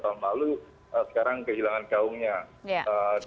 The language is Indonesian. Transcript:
sekarang kehilangan gaungnya